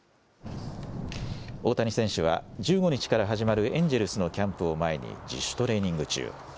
大谷選手は、１５日から始まるエンジェルスのキャンプを前に、自主トレーニング中。